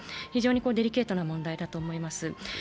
非常にデリケートな問題だと思います。